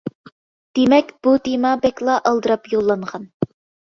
دېمەك، بۇ تېما بەكلا ئالدىراپ يوللانغان.